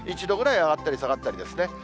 １度ぐらい上がったり、下がったりですね。